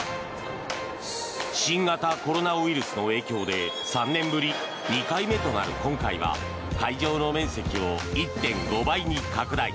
新型コロナウイルスの影響で３年ぶり２回目となる今回は会場の面積を１．５倍に拡大。